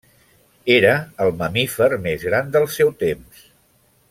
Era el mamífer més gran del seu temps.